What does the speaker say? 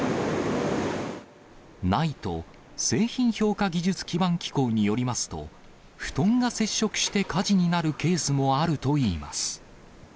ＮＩＴＥ・製品評価技術基盤機構によりますと、布団が接触して火事になるケースもあるといいます。